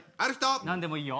何でもいいよ。